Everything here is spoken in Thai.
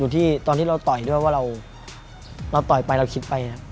ต่อยด้วยว่าเราต่อยไปเราคิดไป